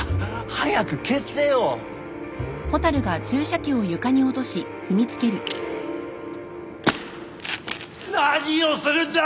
早く血清を。何をするんだ！？